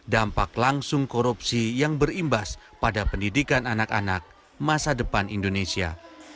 dampak langsung korupsi yang berimbas pada pendidikan anak anak masa depan indonesia